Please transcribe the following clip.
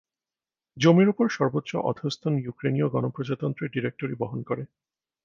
জমির উপর সর্বোচ্চ অধঃস্তন ইউক্রেনীয় গণপ্রজাতন্ত্রের ডিরেক্টরি বহন করে।